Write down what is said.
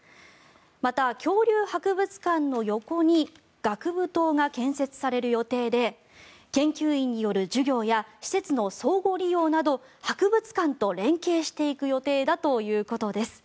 また、恐竜博物館の横に学部棟が建設される予定で研究員による授業や施設の相互利用など博物館と連携していく予定だということです。